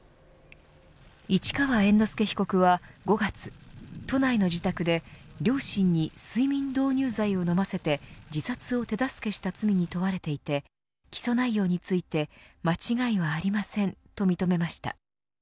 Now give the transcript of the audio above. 市川猿之助被告は５月都内の自宅で、両親に睡眠導入剤を飲ませて自殺を手助けした罪に問われていて起訴内容について間違いはありませんと認めました。